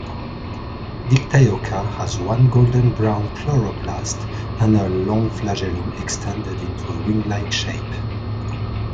"Dictyocha" has one golden-brown chloroplast and a long flagellum extended into a wing-like shape.